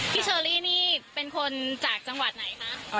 เชอรี่นี่เป็นคนจากจังหวัดไหนคะ